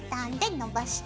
のばして。